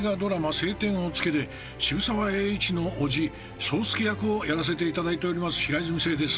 「青天を衝け」で渋沢栄一の伯父・宗助役をやらせていただいております